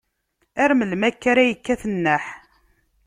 Ar melmi akka ara yekkat nneḥ?